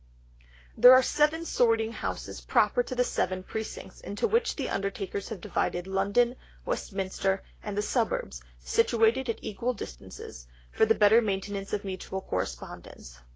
"There are Seven sorting Houses proper to the seven Precincts into which the undertakers have divided London, Westminster, and the Suburbs, situated at equal Distances, for the better maintenance of mutual Correspondence.